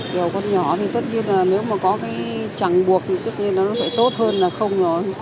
kiểu con nhỏ thì tất nhiên là nếu mà có cái chẳng buộc thì tất nhiên nó phải tốt hơn là không